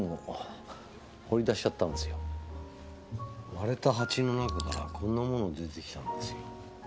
割れた鉢の中からこんな物出てきたんですよ。